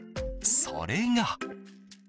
それが。